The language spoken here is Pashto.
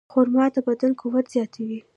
خرما د بدن قوت زیاتوي.